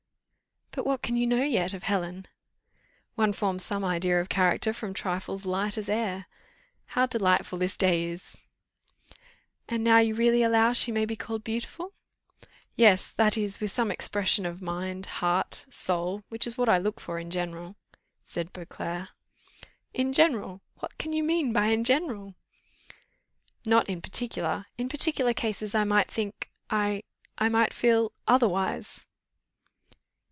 "But what can you know yet of Helen?" "One forms some idea of character from trifles light as air. How delightful this day is!" "And now you really allow she may be called beautiful?" "Yes, that is, with some expression of mind, heart, soul, which is what I look for in general," said Beauclerc. "In general, what can you mean by in general?" "Not in particular; in particular cases I might think I I might feel otherwise."